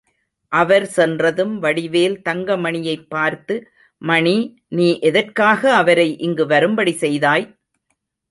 அவர் சென்றதும் வடிவேல் தங்கமணியைப் பார்த்து, மணி, நீ எதற்காக அவரை இங்கு வரும்படி செய்தாய்?